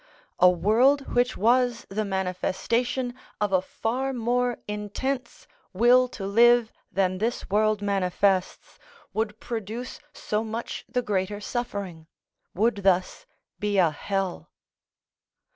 A world which was the manifestation of a far more intense will to live than this world manifests would produce so much the greater suffering; would thus be a hell.